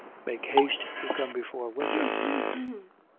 4:21. Make haste to come before winter.